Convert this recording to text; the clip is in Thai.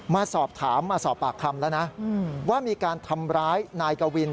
มาสอบถามมาสอบปากคำแล้วนะว่ามีการทำร้ายนายกวิน